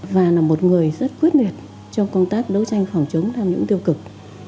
và là một người rất quyết liệt trong công tác đấu tranh phòng chống tham nhũng tiêu cực